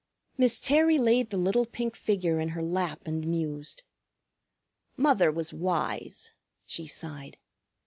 Miss Terry laid the little pink figure in her lap and mused. "Mother was wise!" she sighed.